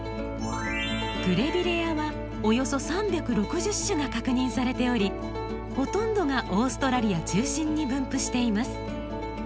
グレビレアはおよそ３６０種が確認されておりほとんどがオーストラリア中心に分布しています。